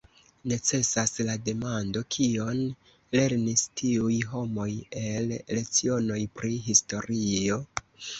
Necesas la demando: Kion lernis tiuj homoj el lecionoj pri historio?